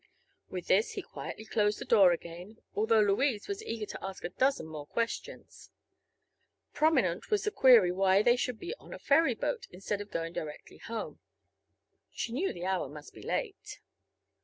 With this he quietly closed the door again, although Louise was eager to ask a dozen more questions. Prominent was the query why they should be on a ferry boat instead of going directly home. She knew the hour must be late.